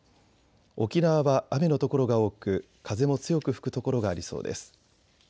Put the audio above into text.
沖縄は雨の所が多く風も強く吹く所がありそうです。